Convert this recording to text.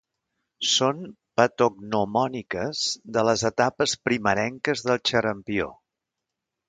Són patognomòniques de les etapes primerenques del xarampió.